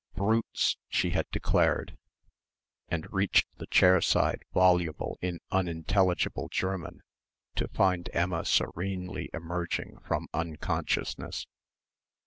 "Brutes!" she had declared and reached the chair side voluble in unintelligible German to find Emma serenely emerging from unconsciousness.